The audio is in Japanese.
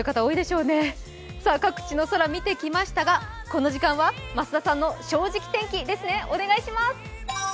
各地の空、見てきましたがこの時間は、増田さんの正直天気ですね。